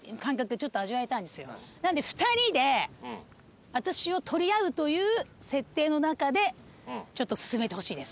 なので２人で私を取り合うという設定の中でちょっと進めてほしいです。